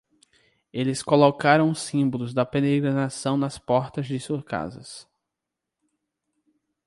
Eles colocaram os símbolos da peregrinação nas portas de suas casas.